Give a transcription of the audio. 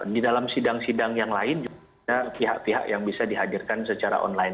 di dalam sidang sidang yang lain juga pihak pihak yang bisa dihadirkan secara online